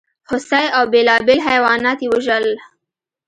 هوسۍ او بېلابېل حیوانات یې وژل.